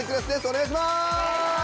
お願いします！